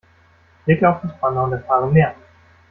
Klicke auf das Banner und erfahre mehr!